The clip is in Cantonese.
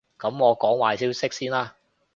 噉我講壞消息先啦